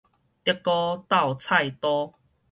竹篙兜菜刀